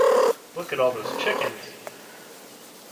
Look at all those chickens.